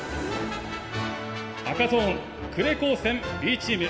赤ゾーン呉高専Ｂチーム。